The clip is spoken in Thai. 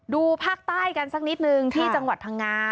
ดูภาคใต้กันสักนิดนึงที่จังหวัดพังงา